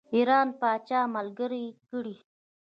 ایران پاچا ملګری کړي.